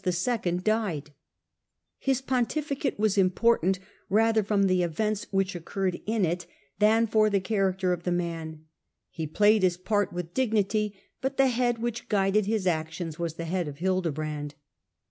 His ponti Death of ficato was ipiportaut rather from the events loS "* which occurred in it than from the character of the man. He played his part with dignity, but the head which guided his actions was the head of Hilde brand.